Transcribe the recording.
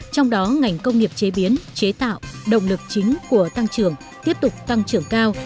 trong đó ngành công nghiệp chế biến chế tạo động lực chính của tăng trưởng tiếp tục tăng trưởng cao